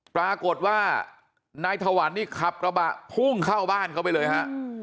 ปรากฏว่านายถวันนี่ขับกระบะพุ่งเข้าบ้านเขาไปเลยฮะ